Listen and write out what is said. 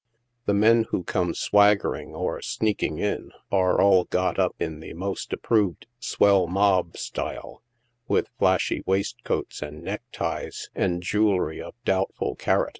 The men who come swaggering or sneaking in, are all got up in the most approved " swell mob" style, with flashy waistcoats and neck ties, and jewelry of doubtful " carat."